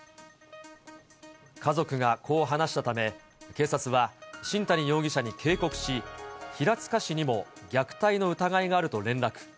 家族がこう話したため、警察は新谷容疑者に警告し、平塚市にも虐待の疑いがあると連絡。